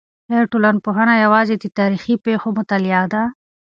آیا ټولنپوهنه یوازې د تاریخي پېښو مطالعه ده؟